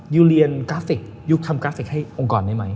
ยูเรียนกราฟิกยูทำกราฟิกให้องค์กรได้ไหม